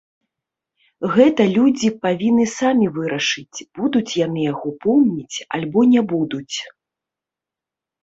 Гэта людзі павінны самі вырашаць, будуць яны яго помніць альбо не будуць.